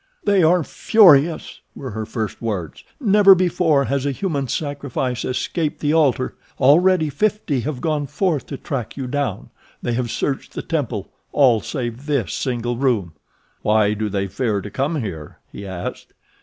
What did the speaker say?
"They are furious," were her first words. "Never before has a human sacrifice escaped the altar. Already fifty have gone forth to track you down. They have searched the temple—all save this single room." "Why do they fear to come here?" he asked.